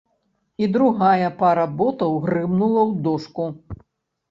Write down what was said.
І другая пара ботаў грымнула ў дошку.